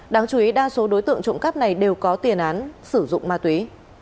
đáng chú ý đa số đối tượng trộm cắp này đều có tiền án sử dụng ma túy